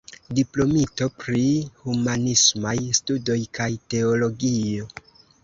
Diplomito pri Humanismaj Studoj kaj Teologio.